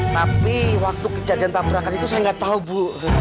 tapi waktu kejadian tabrakan itu saya gak tau bu